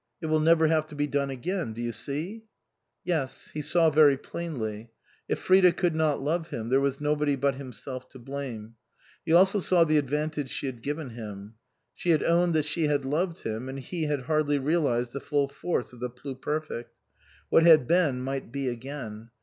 It will never have to be done again. Do you see ?" Yes ; he saw very plainly. If Frida could not love him, there was nobody but himself to blame. He also saw the advantage she had given him. She had owned that she had loved him, and he had hardly realized the full force of the pluper fect. What had been might be again.